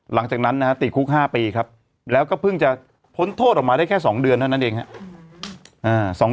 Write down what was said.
หลังจากนั้นนะฮะติดคุก๕ปีครับแล้วก็เพิ่งจะพ้นโทษออกมาได้แค่๒เดือนเท่านั้นเองครับ